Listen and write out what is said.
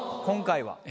今回は。